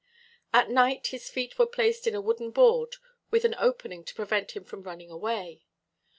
At night his feet were placed in a wooden board with an opening to prevent him from running away.